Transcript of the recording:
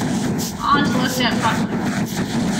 Aunt looked at butler.